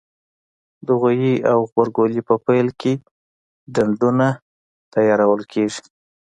د غويي او غبرګولي په پیل کې ډنډونه تیارول کېږي.